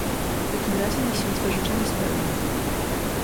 "w takim razie niech się twe życzenie spełni."